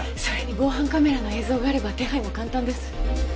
それに防犯カメラの映像があれば手配も簡単です。